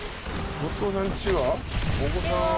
後藤さんちはお子さんは？